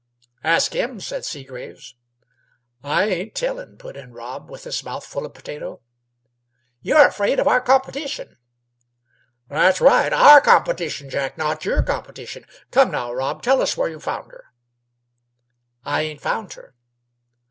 "Ask him," said Seagraves. "I ain't tellin'," put in Rob, with his mouth full of potato. "You're afraid of our competition." "That's right; our competition, Jack; not your competition. Come, now, Rob, tell us where you found her." "I ain't found her."